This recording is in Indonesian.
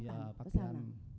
iya pakaian sipil juga